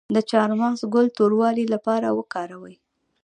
د چارمغز ګل د توروالي لپاره وکاروئ